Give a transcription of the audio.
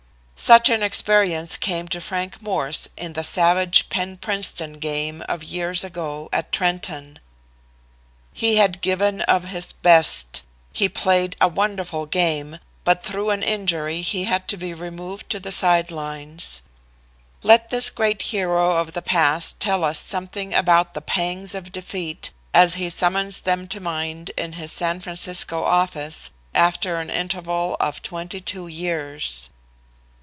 Such an experience came to Frank Morse in that savage Penn Princeton game of years ago at Trenton. He had given of his best; he played a wonderful game, but through an injury he had to be removed to the side lines. Let this great hero of the past tell us something about the pangs of defeat as he summons them to mind in his San Francisco office after an interval of twenty two years.